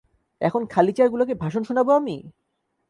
এখন খালি চেয়ার গুলোকে ভাষণ শুনাবো আমি?